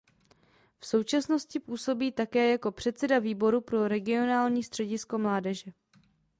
V současnosti působí také jako předseda Výboru pro regionální středisko mládeže.